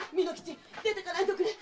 出てかないでおくれ！